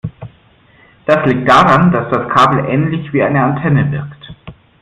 Das liegt daran, dass das Kabel ähnlich wie eine Antenne wirkt.